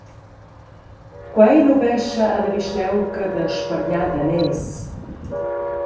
Quei lubescha alla vischnaunca da spargnar daners.